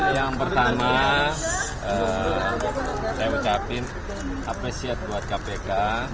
yang pertama saya ucapin apresiasi buat kpk